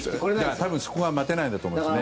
多分、そこが待てないんだと思いますね。